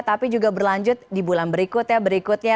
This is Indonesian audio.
tapi juga berlanjut di bulan berikut ya berikutnya